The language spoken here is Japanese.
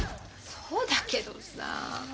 そうだけどさ。